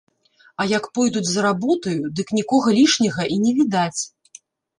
А як пойдуць за работаю, дык нікога лішняга і не відаць.